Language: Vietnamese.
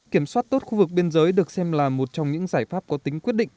kiểm soát tốt khu vực biên giới được xem là một trong những giải pháp có tính quyết định